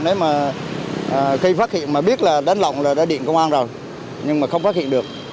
nếu mà khi phát hiện mà biết là đến lòng là đã điện công an rồi nhưng mà không phát hiện được